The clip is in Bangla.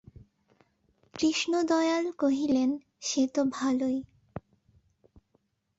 কৃষ্ণদয়াল কহিলেন, সে তো ভালোই।